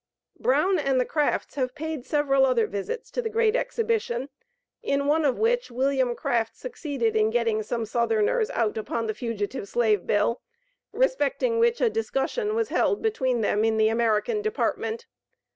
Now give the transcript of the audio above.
Brown and the Crafts have paid several other visits to the Great Exhibition, in one of which, Wm. Craft succeeded in getting some Southerners "out" upon the Fugitive Slave Bill, respecting which a discussion was held between them in the American department.